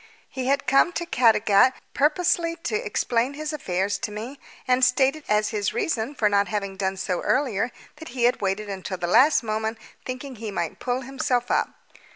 He had come to Caddagat purposely to explain his affairs to me, and stated as his reason for not having done so earlier that he had waited until the last moment thinking he might pull himself up.